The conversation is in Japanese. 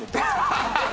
ハハハハ！